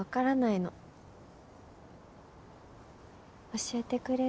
教えてくれる？